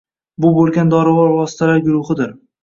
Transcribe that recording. bu bo‘lgan dorivor vositalar guruhidir.